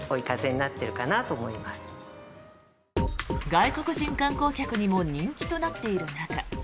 外国人観光客にも人気となっている中